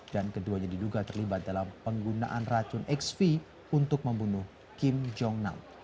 dan keduanya diduga terlibat dalam penggunaan racun xv untuk membunuh kim jong nam